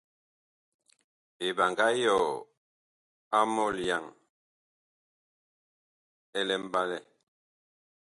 Eɓaŋga yɔɔ a mɔlyaŋ ɛ mbalɛ.